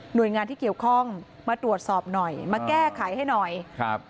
โดยงานที่เกี่ยวข้องมาตรวจสอบหน่อยมาแก้ไขให้หน่อยครับ